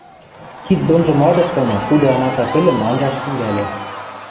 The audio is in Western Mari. кид донжы мадыктымы куды амаса кӹлӹм анжаш тӹнгӓльӹ.